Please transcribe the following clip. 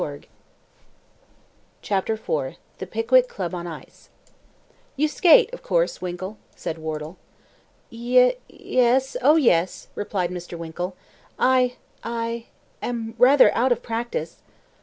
SHAKESPEARE THE PICKWICK CLUB ON THE ICE "You skate, of course, Winkle?" said Wardle. "Ye yes; oh, yes," replied Mr. Winkle. "I I am rather out of practice."